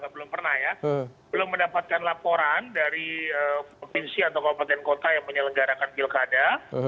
belum mendapatkan laporan dari komisi atau kabupaten kota yang menyelenggarakan pilkada